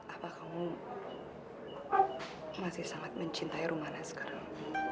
apa kamu masih sangat mencintai rumahnya sekarang